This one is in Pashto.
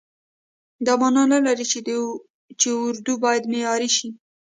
دا معنا نه لري چې اردو باید معیار شي.